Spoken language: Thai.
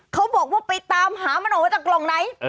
เขาบอกว่าไปตามหามันออกมาจากกล่องไหน